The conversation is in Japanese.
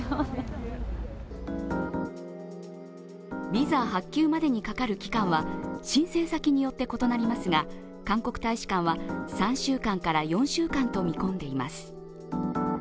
ビザ発給までにかかる期間は申請先によって異なりますが韓国大使館は３週間から４週間と見込んでいます。